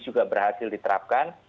juga berhasil diterapkan